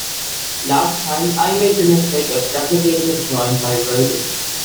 Last time, I made the mistake of replicating a drawing by Rodin.